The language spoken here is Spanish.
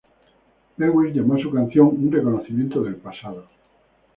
Lewis llamó a la canción "un reconocimiento del pasado.